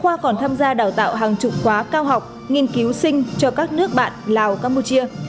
khoa còn tham gia đào tạo hàng chục quá cao học nghiên cứu sinh cho các nước bạn lào campuchia